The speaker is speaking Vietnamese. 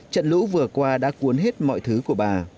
trận lũ vừa qua đã cuốn hết mọi thứ của bà